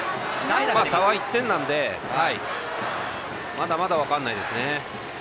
差は１点なんでまだまだ分かんないですね。